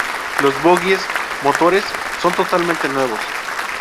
Los bogies motores son totalmente nuevos.